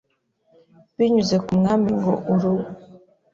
binyuze ku Mwami ngo uru